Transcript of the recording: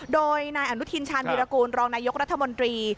โดยนายอนุทินชาญวิรากูลรองนายกรัฐมนตรี